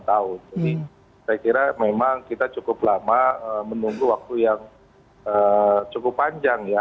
jadi saya kira memang kita cukup lama menunggu waktu yang cukup panjang ya